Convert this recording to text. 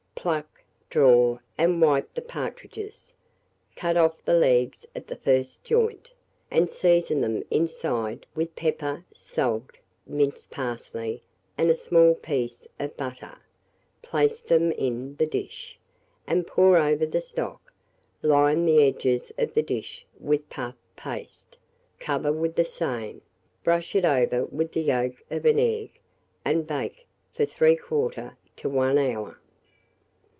Pluck, draw, and wipe the partridges; cut off the legs at the first joint, and season them inside with pepper, salt, minced parsley, and a small piece of butter; place them in the dish, and pour over the stock; line the edges of the dish with puff paste, cover with the same, brush it over with the yolk of an egg, and bake for 3/4 to 1 hour.